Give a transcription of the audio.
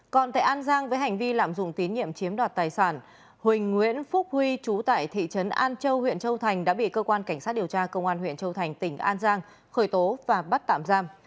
còn tại an giang với hành vi lạm dụng tín nhiệm chiếm đoạt tài sản huỳnh nguyễn phúc huy chú tại thị trấn an châu huyện châu thành đã bị cơ quan cảnh sát điều tra công an huyện châu thành tỉnh an giang khởi tố và bắt tạm giam